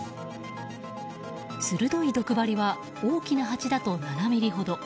鋭い毒針は大きなハチだと７ｍｍほど。